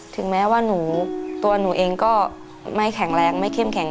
ถึงแม้ว่าหนูตัวหนูเองก็ไม่แข็งแรงไม่เข้มแข็ง